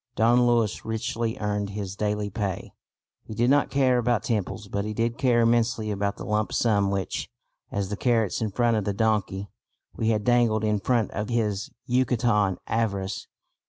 Don Luis richly earned his daily pay. He did not care about temples, but he did care immensely about the lump sum which, as the carrots in front of the donkey, we had dangled in front of his Yucatecan avarice.